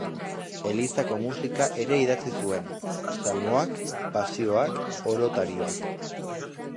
Elizako musika ere idatzi zuen: salmoak, pasioak, oratorioak...